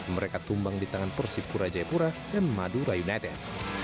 mereka tumbang di tangan persipura jayapura dan madura united